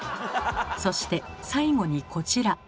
そして最後にこちら。